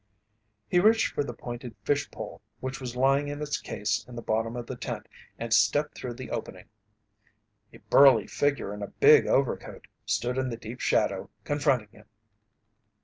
He reached for the pointed fish pole which was lying in its case in the bottom of the tent and stepped through the opening. A burly figure in a big overcoat stood in the deep shadow confronting him.